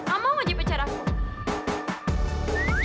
gak mau maju pacar aku